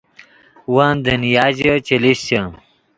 ون دنیا ژے چے لیشچے